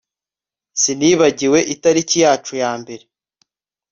Sinibagiwe itariki yacu ya mbere